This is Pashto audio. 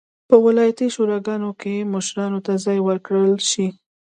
په ولایتي شوراګانو کې مشرانو ته ځای ورکړل شي.